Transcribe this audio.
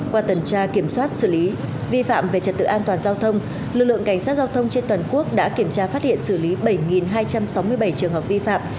qua tần tra kiểm soát xử lý vi phạm về trật tự an toàn giao thông lực lượng cảnh sát giao thông trên toàn quốc đã kiểm tra phát hiện xử lý bảy hai trăm sáu mươi bảy trường hợp vi phạm